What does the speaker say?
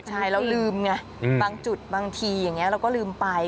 ใช่เราลืมไงบางจุดบางทีอย่างนี้เราก็ลืมไป